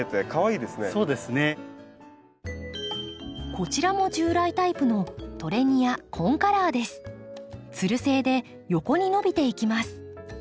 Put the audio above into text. こちらも従来タイプのつる性で横に伸びていきます。